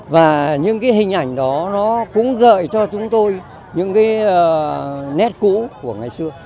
và những cái hình ảnh đó nó cũng gợi cho chúng tôi những cái nét cũ của ngày xưa